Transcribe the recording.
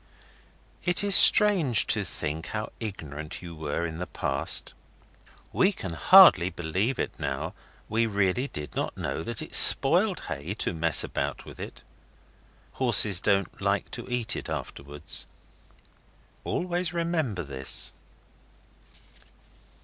It is strange to think how ignorant you were in the past. We can hardly believe now that once we really did not know that it spoiled hay to mess about with it. Horses don't like to eat it afterwards. Always remember this.